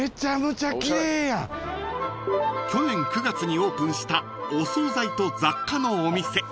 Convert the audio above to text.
［去年９月にオープンしたお総菜と雑貨のお店］